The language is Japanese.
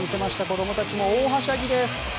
子供たちも大はしゃぎです！